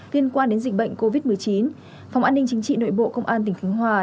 liên quan đến dịch bệnh covid một mươi chín phòng an ninh chính trị nội bộ công an tỉnh khánh hòa